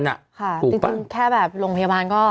จริงแค่แบบโรงพยาบาลก็